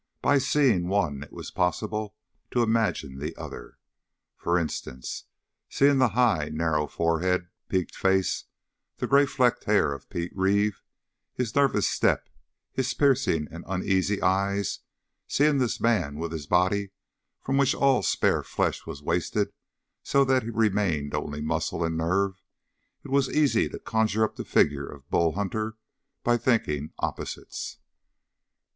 By seeing one it was possible to imagine the other. For instance, seeing the high, narrow forehead, peaked face, the gray flecked hair of Pete Reeve, his nervous step, his piercing and uneasy eyes seeing this man with his body from which all spare flesh was wasted so that he remained only muscle and nerve, it was easy to conjure up the figure of Bull Hunter by thinking of opposites.